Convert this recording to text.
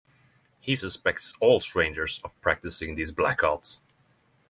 He suspects all strangers of practicing these black arts.